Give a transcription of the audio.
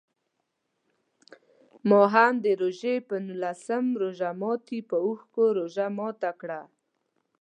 ما هم د روژې په نولسم روژه ماتي په اوښکو روژه ماته کړه.